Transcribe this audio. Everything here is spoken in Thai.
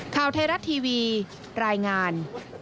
ข่าวไทยรัฐทีวีรายงาน